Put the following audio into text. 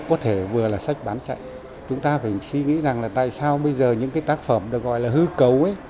có thể vừa là sách bán chạy chúng ta phải suy nghĩ rằng là tại sao bây giờ những cái tác phẩm được gọi là hư cấu ấy